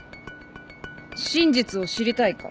真実を知りたいか？